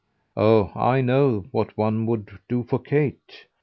"Oh I know what one would do for Kate!"